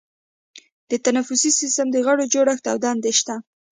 د تنفسي سیستم د غړو جوړښت او دندې شته.